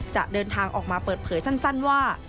จะเดินทางออกมาเปิดเผยสั้นว่า